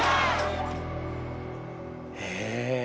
へえ。